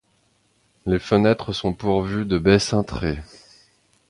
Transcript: Les fenêtres sont pourvues de baies cintrées.